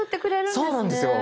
そうなんですよ。